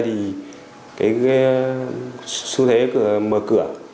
thì cái xu thế mở cửa